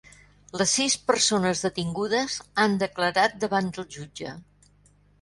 Les sis persones detingudes han declarat davant del jutge.